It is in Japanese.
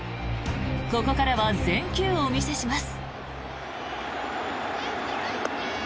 ここからは全球お見せします。